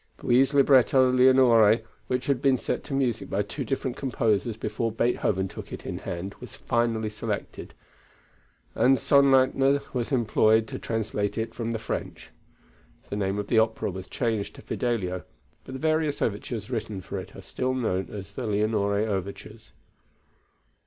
Bouilly's libretto Leonore, which had been set to music by two different composers before Beethoven took it in hand, was finally selected, and Sonnleithner was employed to translate it from the French. The name of the opera was changed to Fidelio, but the various overtures written for it are still known as the Leonore overtures.